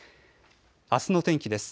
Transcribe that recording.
あすの天気です。